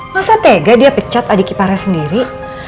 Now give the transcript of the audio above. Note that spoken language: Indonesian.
masa tega dia pecat adik iparnya sendiri